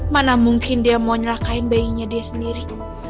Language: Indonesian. mana mungkin dia mau nyelakin bayinya dia sendiri